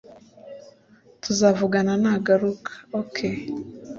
Tuzavugana nagaruka OK